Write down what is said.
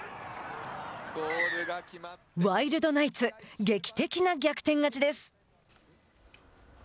ワイルドナイツ劇的な逆転勝ちです。